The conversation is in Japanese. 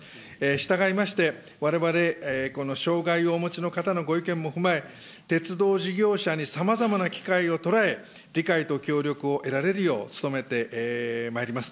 したがいまして、われわれ、この障害をお持ちの方のご意見も踏まえ、鉄道事業者にさまざまな機会を捉え、理解と協力を得られるよう、努めてまいります。